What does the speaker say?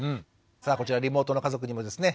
さあこちらリモートの家族にもですね